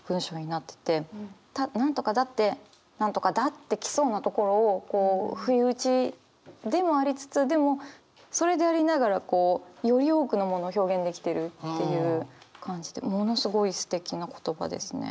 「何とかだって何とかだ」って来そうなところを不意打ちでもありつつでもそれでありながらより多くのものを表現できてるっていう感じでものすごいすてきな言葉ですね。